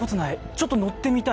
ちょっと乗ってみたい。